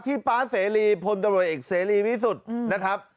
ที่ป้าเสรีพลตะโรยเอกเสรีวิสุธิ์นะครับ